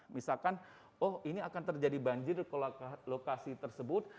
misalkan oh ini akan terjadi banjir ke lokasi tersebut